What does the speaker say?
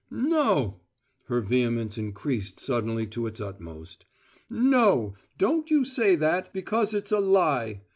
"No!" Her vehemence increased suddenly to its utmost. "No! Don't you say that, because it's a lie.